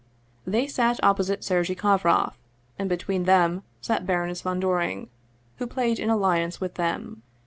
They sat opposite Sergei Kovroff, and between them sat Baroness von Doring, who played in alliance with them.